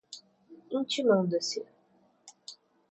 intimando-se